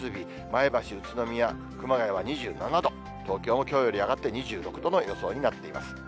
前橋、宇都宮、熊谷は２７度、東京もきょうより上がって２６度の予想になっています。